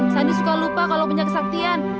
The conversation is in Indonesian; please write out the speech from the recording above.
sandi suka lupa kalau punya kesaktian